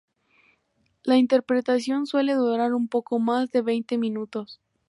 La interpretación suele durar un poco más de veinte minutos.